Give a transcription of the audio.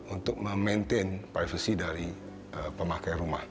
untuk memaintain privasi dari pemakai rumah